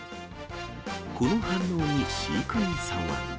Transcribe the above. この反応に飼育員さんは。